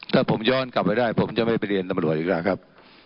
ถ้าผมย้อนกลับไปได้ผมจะไม่ไปเรียนตำรวจอีกแล้วครับ